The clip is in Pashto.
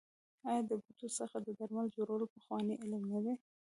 آیا د بوټو څخه د درملو جوړول پخوانی علم نه دی؟